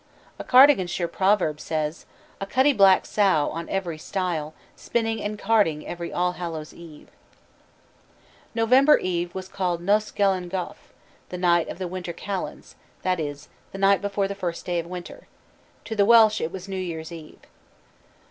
A Cardiganshire proverb says: "A cutty black sow On every stile, Spinning and carding Every Allhallows' Eve." Short tailed. November Eve was called "Nos Galan Gaeof," the night of the winter Calends, that is, the night before the first day of winter. To the Welsh it was New Year's Eve.